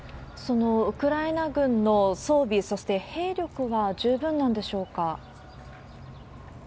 そのウクライナ軍の装備、そして兵力は十分なんでしょうか？